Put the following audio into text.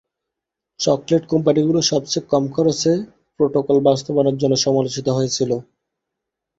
Chocolate কোম্পানিগুলো সবচেয়ে কম খরচে প্রোটোকল বাস্তবায়নের জন্য সমালোচিত হয়েছিল।